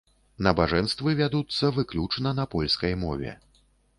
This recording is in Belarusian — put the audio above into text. Набажэнствы вядуцца выключана на польскай мове.